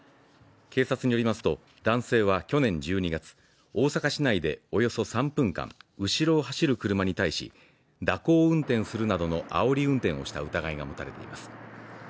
警察によりますと男性は去年１２月大阪市内でおよそ３分間後ろを走る車に対し蛇行運転するなどのあおり運転をした疑いが持たれています